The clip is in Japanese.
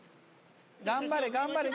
頑張れ頑張れ。